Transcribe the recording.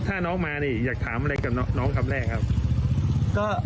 ถ้าน้องมานี่อยากถามอะไรกับน้องคำแรกครับ